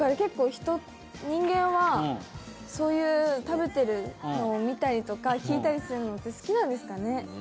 人間は食べているのを見たりとか聞いたりするのが好きなんですかね？